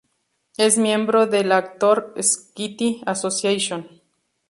Es miembro de la Actor's Equity Association.